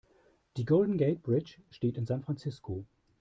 Die Golden Gate Bridge steht in San Francisco.